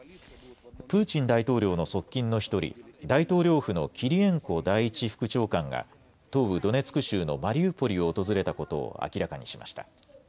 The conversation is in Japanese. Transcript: プーチン大統領の側近の１人、大統領府のキリエンコ第１副長官が東部ドネツク州のマリウポリを訪れたことを明らかにしました。